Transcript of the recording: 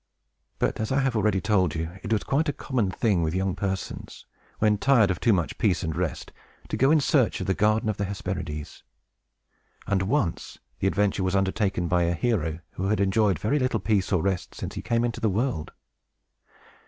But, as I have already told you, it was quite a common thing with young persons, when tired of too much peace and rest, to go in search of the garden of the Hesperides. And once the adventure was undertaken by a hero who had enjoyed very little peace or rest since he came into the world.